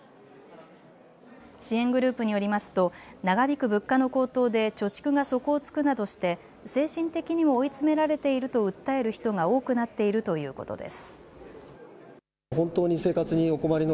支援グループによりますと長引く物価の高騰で貯蓄が底をつくなどして精神的にも追い詰められていると訴える人が多くなっているということです。